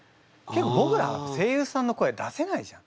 ぼくら声優さんの声出せないじゃん。